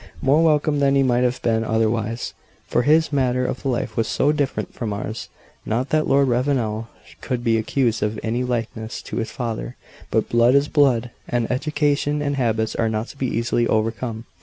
More welcome than he might have been otherwise; for his manner of life was so different from ours. Not that Lord Ravenel could be accused of any likeness to his father; but blood is blood, and education and habits are not to be easily overcome.